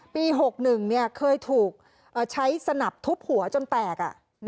ปี๖๑เคยถูกใช้สนับทุบหัวจนแตก